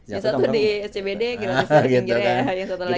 yang satu di scbd yang satu di pinggir ya